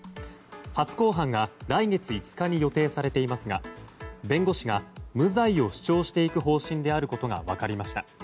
初公判が来月５日に予定されていますが弁護士が無罪を主張していく方針であることが分かりました。